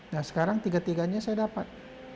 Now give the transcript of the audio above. nah sekarang tiga tiganya saya dapat